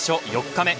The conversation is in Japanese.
４日目。